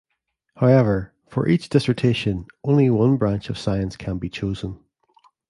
However, for each dissertation only one branch of science can be chosen.